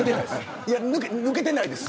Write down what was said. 抜けてないです。